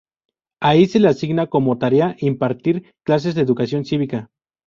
Ahí se le asigna como tarea impartir clases de educación cívica.